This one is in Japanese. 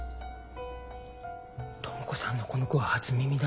知子さんのこの句は初耳だわ。